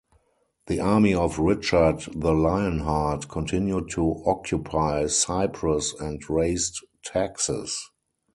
The army of Richard the Lionheart continued to occupy Cyprus and raised taxes.